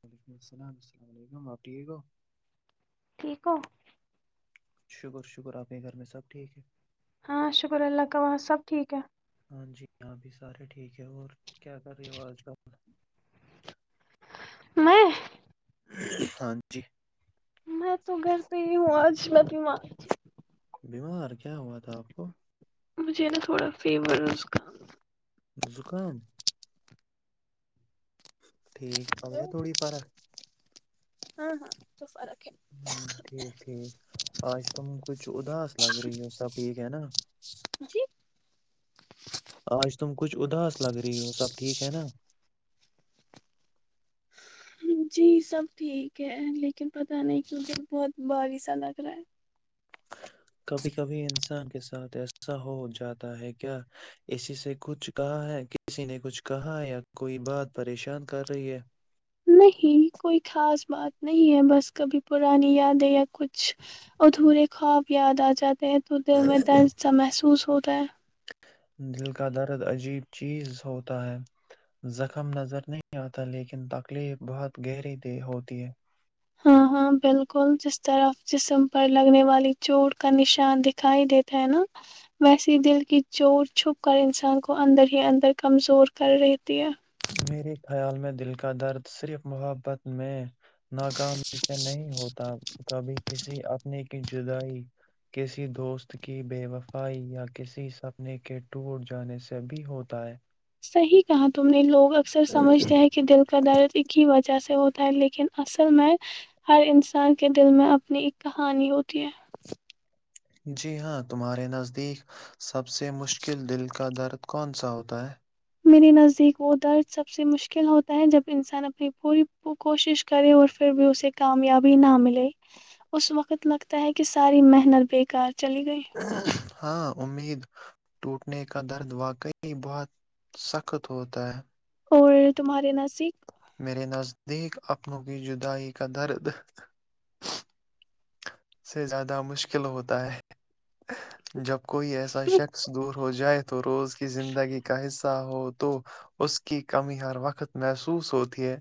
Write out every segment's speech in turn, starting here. وعلیکم السلام السلام علیکم ٹھیک ہو ٹھیک ہو شکر شکر آپ کے گھر میں سب ٹھیک ہے ہاں شکر اللہ کاوہاں سب ٹھیک ہے ہاں جی یہاں بھی سارے ٹھیک ہے اور کیا کر رہی ہو آج کل میں ہاں جی میں تو گھر پہ ہی ہوں آج میں بیمار تھی بیمار کیا ہوا تھا آپ کو مجھے نا تھوڑا فیور ہیں اور زکام زکام ٹھیک اب ہیں ہلو تھوڑی فرق ہاں ہاں اب تو فرق ہے ہ ٹھیک ٹھیک آج تم کچھ اداس لگ رہی ہو سب ٹھیک ہینا جی آج تم کچھ اداس لگ رہی ہو سب ٹھیک ہینا جی سب ٹھیک ہے لیکن پتا نہیں کیو سر بہت باری سا لگ رہا ہے کبھی کبھی انسان کے ساتھ ایسا ہو جاتا ہے کیا اسی سے کچھ کہا ہے کسی نے کچھ کہا ہے یا کوئی بات پریشان کر رہی ہے نہیں کوئی خاص بات نہیں ہے بس کبھی پرانی یادیں یا کچھ ادھورے خواب یاد آ جاتے تو دل میں ہے درد سا محسوس ہو ہوتا ہیں دل کا درد عجیب چیز ہوتا ہے زخم نظر نہیں آتا لیکن تکلیف بہت گہری د ہوتی ہے ہاں ہاں بالکل جس طرف جسم پر لگنے والی چوٹ کا نشان دکھائی دیتا ہینا ویسیے دل کی چوٹ چھپ کر انسان کو اندر ہی اندر کمزور کر رہتی ہے میرے خیال میں دل کا درد صرف محبت میں ناکامی سے نہیں ہوتا کبھی کسی اپنے کی جدائی کسی دوست کی بے وفائی یا کسی سپنے کے ٹور جانے سے بھی ہوتا ہے صحیح کہا تم نے لوگ اکثر سمجھتے ہیں کہ دل کا درد ایک ہی وجہ سے ہوتا لیکن اصل میں ہر انسان کے دل میں اپنی ایک کہانی ہوتی ہے جی ہاں تمہارے نزدیک سب سے مشکل دل کا درد کون سا ہوتا ہے میرے نزدیک وہ درد سب سے مشکل ہوتا ہے جب انسان اپنی پوری کوشش کرے اور پھر بھی اسے کامیابی نہ ملے اس وقت لگتا ہے کہ ساری محنت بیکار چلی گئی ہاں امید ٹوٹنے کا درد واقعی بہت سخت ہوتا ہے اور تمہارے نزدیک میرے نزدیک اپنوں کی جدائی کا درد سے زیادہ مشکل ہوتا ہے جب کوئی ایسا شخص دور ہو جائے تو روز کی زندگی کا حصہ ہو تو اس کی کمی ہر وقت محسوس ہوتی ہے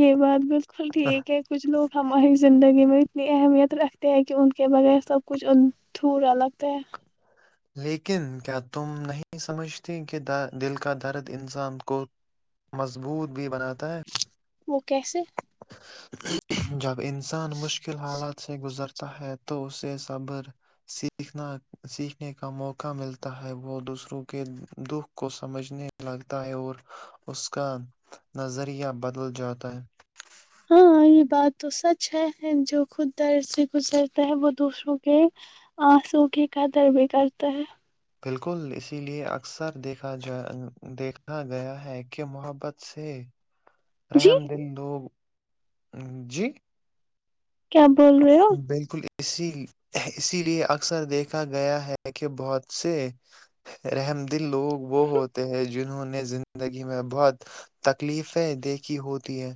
یہ بات بالکل ٹھیک ہے کچھ لوگ ہماری زندگی میں اتنی اہمیت رکھتے ہیں کہ ان کے بغیر سب کچھدھورا لگتا ہے لیکن کیا تم نہیں سمجھتی کہ دل کا درد انسان کو مضبوط بھی بناتا ہے وہ کیسے جب انسان مشکل حالات سے گزرتا ہے تو اسے صبر سیکھنا سیکھ کا موقع ملتا ہے وہ دوسروں کے دکھ کو سمجھنے لگتا ہے اور اس کا نظریہ بدل جاتا ہے [inaudible] ہاں یہ بات تو سچ ہے جو خود درد سے گزرتا ہے وہ دوسروں کے آنسوں کی قدر بھی کرتا ہے بالکل اسی لیے اکثر دیکھا جا دیکھا گیا ہے کہ محبت سے جی رحم دل لب جی کیا بول رہے ہو بالکل اسی اسی لیے اکثر دیکھا گیا ہے کہ بہت سے رحم دل لوگ وہ ہوتے ہیں جنہوں نے زندگی میں بہت تکلیفیں دیکھی ہوتی ہے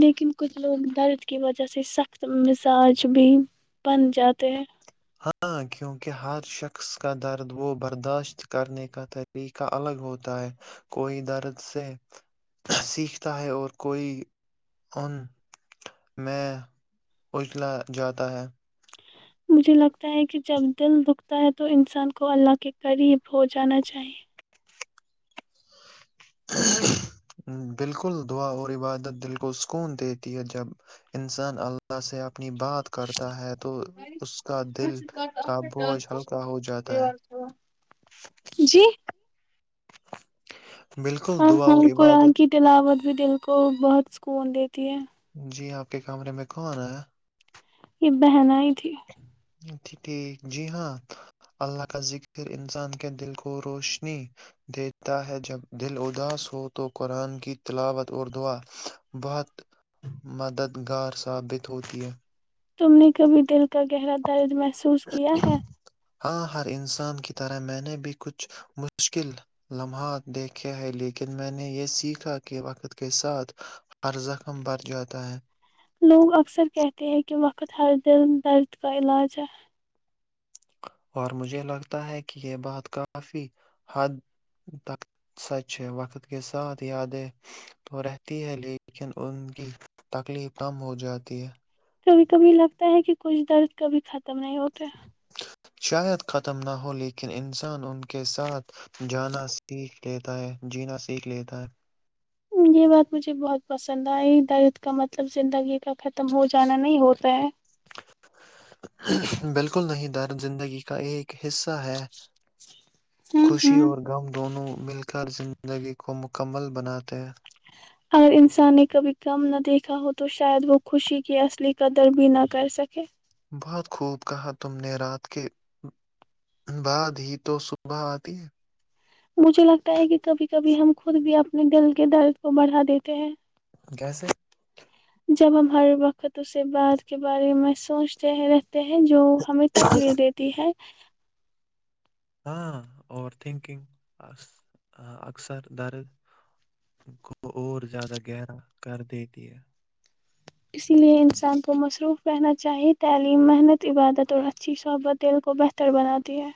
لیکن کچھ لوگ درد کی وجہ سے سخت مزاج بھی بن جاتے ہیں ہاں کیونکہ ہر شخص کا درد وہ برداشت کرنے کا طریقہ الگ ہوتا ہے کوئی درد سے سیکھتا ہے اور کوئی ان میں اجلا جاتا ہے مجھے لگتا ہے کہ جب دل دکھتا ہے تو انسان کو اللہ کے قریب ہو جانا چاہیے بالکل دعا اور عبادت دل کو سکون دیتی ہے جب انسان اللہ سے آپ اپنی بات کرتا ہے تو اس کا دل کا بوجھ چاہیے ہلکا ہو جاتا ہے جی بالکل ہاں دعا ہاں اور کو عبادت ہنکیٹ ل آباد بھی دل کو بہت سکون دیتی ہے جی آپ کے کمرے میں کون آنا ہے یہ بہن ہی تھی ج ٹھیک جی ہاں اللہ کا ذکر انسان کے دل کو روشنی دیتا ہے جب دل اداس ہو تو قرآن کی تلاوت اور دعا بہت مددگار ثابت ہوتی ہے تم نے کبھی دل کا گہرا درد محسوس کیا ہے ہاں ہر انسان کی طرح میں نے بھی کچھ مشکل لمحات دیکھے ہے لیکن میں نے یہ سیکھا کہ وقت کے ساتھ ہر زخم بر جاتا ہے لوگ اکثر کہتے ہیں کہ وقت ہر دل درد کا علاج ہے اور مجھے لگتا ہے کہ یہ بات کافی حد تک سچ ہے وقت کے ساتھ یادیں تو رہتی ہے لیکن ان کی تکلیف کم ہو جاتی ہے کبھی کبھی لگتا ہے کہ کچھ درد کبھی خم تم نہیں ہوتے شاید ختم نہ ہو لیکن انسان ان کے ساتھ جانا ستا ہے جینا سیکھ لیتا ہے یہ بات مجھے بہت پسند آئی درد کا مطلب زندگی کا ختم ہو جانا نہیں ہوتا ہے بالکل نہیں در زندگی کا ایک حصہ ہے ہ خوشی ہ اور غم دونوں مل کر زندگی کو مکمل بناتے ہیں اگر انسان نے کبھی کم نہ دیکھا ہو تو شاید وہ خوشی کی اصلی قدر بھی نہ کر سکے بہت خوب کہا تم نے رات کے بعد ہی تو صبح آتی ہے مجھے لگتا ہے کہ کبھی کبھی ہم خود بھی اپنے دل کے درد کو بڑھا دیتے ہیں کیسے جب ہم ہر وقت اسے بعد کے بارے میں سوچتے ہیں ہیں جو ہمیں تکلیف دیتی ہے ہاں اور تھنکنگ اکثر درد کو اور زیادہ گہرا کر دیتی ہے اسی لیے انسان کو مصروف رہنا چاہیے تعلیم محنت عبادت اور اچھی صحبت دل کو بہتر بناتی ہے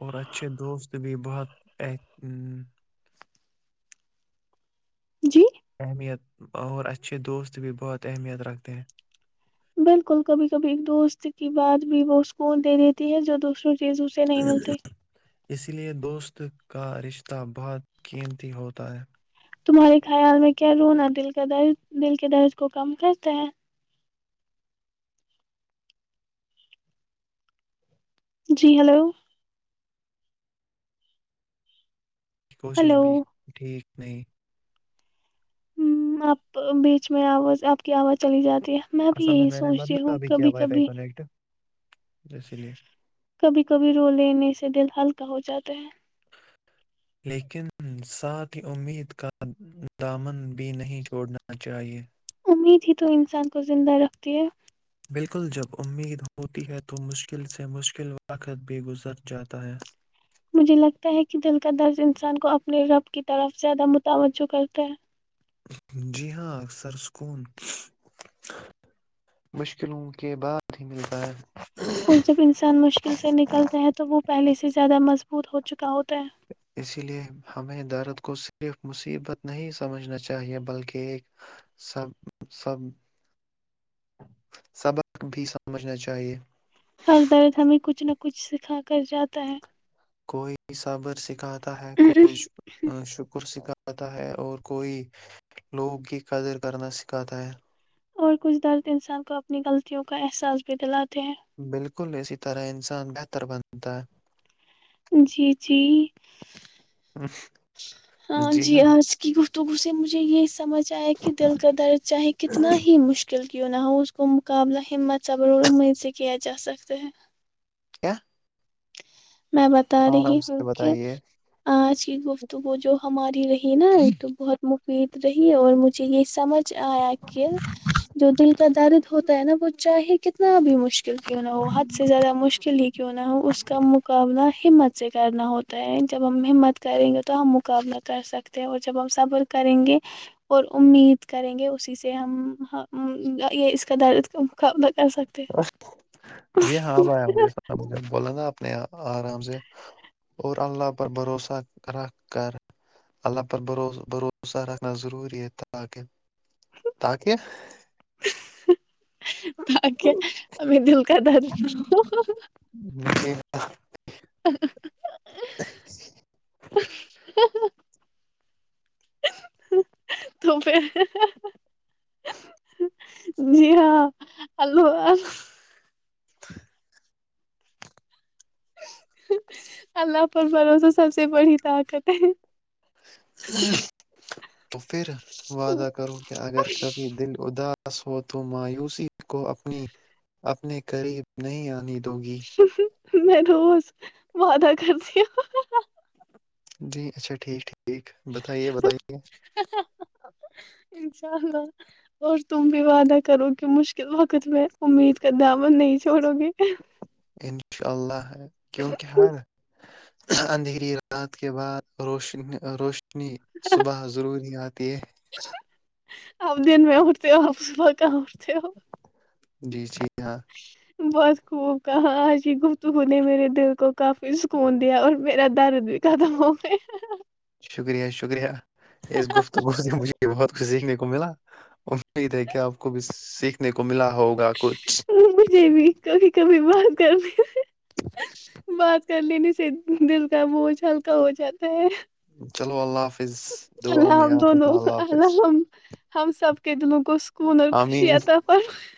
اور اچھے دوست بھی بہت ہے جی اہمیت اور اچھے دوست بھی بہت اہمیت رکھتے ہیں بالکل کبھی کبھی ایک دوست کی بات بھی وہ سکون دے دیتی ہے جو دوسروں کی اسی لیے دوست کا رشتہ بہت قیمتی ہوتا ہے تمہارے خیال میں کیا رونا دل کا درد دل کے درد کو کم کرتا ہے جی ہلو کوشش بھی ہلو ٹھیک نہیں ہممم آپ بیچ میں آواز آپ کی آواز چلی جات رہی میں بھی اصل یہی میں نے سوچتی بدلا ہوں بھی کیا کبھی وائی فائی کبھی کنیکٹ اسی لے کبھی کبھی رو لینے سے دل ہلکا ہو جاتا ہے لیکن ساتھ ہی امید کا دامن بھی نہیں چھوڑنا چاہیئے امید ہی تو انسان کو زندہ رکھتی ہے بالکل جب امید ہوتی ہے تو مشکل سے مشکل وقت بھی گزر جاتا ہے مجھے لگتا ہے کہ دل کا درد انسان کو اپنے رب کی طرف زیادہ متوجہ کرتا ہے جی ہاں اکثر سکون مشکلوں کے بعد ہی ملتا ہے اور جب انسان مشکل سے نکلتا ہے تو وہ پہلے سے زیادہ مضبوط ہو چکا کا ہوتا ہے اسی لیے ہمیں درت کو صرف مصیبت نہیں سمجھنا چاہیے بلکہ ایک سبق بھی سمجھنا چاہیے ہر درد ہمیں کچھ نہ کچھ سکھا کر جاتا ہے کوئی صابر سکایت ہے کوئی شکر گزار پتا ہے اور کوی لوگوں کی قدر کرنا سکھاتا ہے اور کچھ درد انسان کو اپنی غلطیوں کا احساس بھی دلاتا بالکل اسی طرح انسان ہے اتر بنتا ہے جی جی ہاں جی آج کی وہ تو اسے مجھے یہ سمجھ چاہے کہ دل کا درد چاہے کتنا ہی مشکل کیوں نہ ہو اس کو مقابلہ ہمت صبر اور امید سے کیا جا سکتا ہے کیا میں بتا رہی آرام ہوں سے کہ بتائیے آج کی گفتگو جو ہماری رہی نا تو بہت مفید رہی اور مجھے یہ سمجھ آیا کہ جو دل دارد ہوتا ہے نا وہ چاہے کتنا بھی مشل مشکل کیوں نہ ہو حد سے زیادہ مشکل ہی کیوں نہ ہو اس مقابلہ ہمت سے کرنا ہوتا ہے جب ہمت کریں گے تو ہم مقابلہ کر سکتے ہیں اور جب ہم صبر کریں گے اور امید کریں گے اسی سے ہم یہ اس کا درد کر سکتے جی ہاں اب ایا ہیں مجھ بول نا آپ اپنے آرام سے اور اللہ پر بھروسہ رکھ کر اللہ پر بھرو بھروسہ رکھنا ضروری ہے تاکہ تاکہ [inaudible] اگے ہمیں دل کا در [inaudible] مجھے [inaudible] [inaudible] تو پھر [inaudible] [inaudible] اللہ پر بھروسا سب سے بڑی طاقت ہے [inaudible] تو پھر وعدہ کرو کہ اگر کبھی دل ادا اس ہو تو مایوسی کو اپنی اپنے قریب نہیں آنی دو گی [inaudible] میں روز وعدہ کرتی ہوں جی اچاٹھیک ٹھیک ٹھیک بتائیے بتائیے انشاءاللہ دوستوں بھی وعدہ کرو کہ مشکل وقت میں امید کا دا من نہیں چھوڑو گے انشاء اللہ ہے کیونکہ ہر اندھیری رات کے بعد روشنی روشنی ن صبح ضرور ہی آتی ہے آپ دن میں اٹھتے ہو [inaudible] جی جی ہاں بہت خوب کہا جی گفتگو نے میرے دل کو کافی سکون دیا اور میرا درد بھی ختم ہو گیا شکریہ شکریہ اس گفتگو سے مجھے بھی بہت کچھ سیکھنے کو ملا امید ہے کہ آپ کو بھی سیکھنے کو ملا ہوگا کچھ مجھے بھی کبھی کبھی بات کر لینے سے دل کا بوجھ ہلکا ہو جاتا ہے [inaudible] چلو اللہ حافظ دعاؤں اللہ میں ہم یاد دونوں رکھنا اللہ حافظ ہم ہم سب کے دلوں کو کون خوشی آمین عطا فرما